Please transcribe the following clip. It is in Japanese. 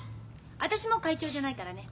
私もう会長じゃないからね。